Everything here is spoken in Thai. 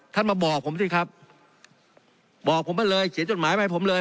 มาบอกผมสิครับบอกผมมาเลยเขียนจดหมายมาให้ผมเลย